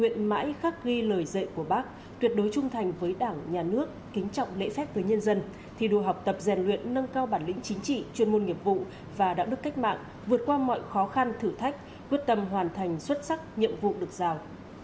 mãi khắc ghi lời dạy của bác tuyệt đối trung thành với đảng nhà nước kính trọng lễ phép với nhân dân thi đua học tập rèn luyện nâng cao bản lĩnh chính trị chuyên môn nghiệp vụ và đạo đức cách mạng vượt qua mọi khó khăn thử thách quyết tâm hoàn thành xuất sắc nhiệm vụ được giao